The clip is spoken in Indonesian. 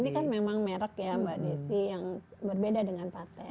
ini kan memang merek ya mbak desi yang berbeda dengan patent